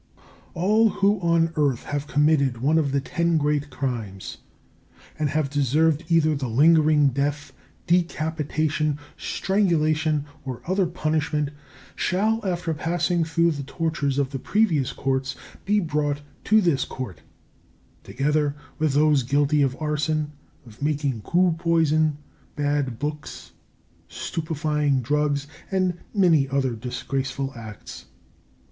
All who on earth have committed one of the ten great crimes, and have deserved either the lingering death, decapitation, strangulation, or other punishment, shall, after passing through the tortures of the previous Courts, be brought to this Court, together with those guilty of arson, of making ku poison, bad books, stupefying drugs, and many other disgraceful acts.